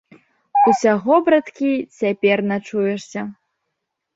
Усяго, браткі, цяпер начуешся.